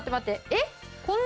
えっ？